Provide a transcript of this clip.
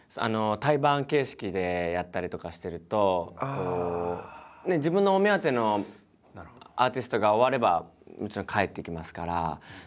対バン形式でやったりとかしてると自分のお目当てのアーティストが終わればもちろん帰っていきますから。